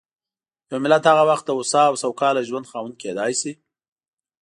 یو ملت هغه وخت د هوسا او سوکاله ژوند خاوند کېدای شي.